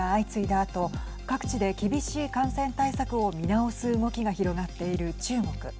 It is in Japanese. あと各地で厳しい感染対策を見直す動きが広がっている中国。